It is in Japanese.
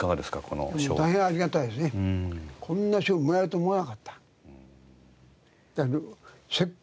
こんな賞もらえると思わなかった。